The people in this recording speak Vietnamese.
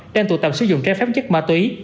đang tụ tập sử dụng trái phép chất ma túy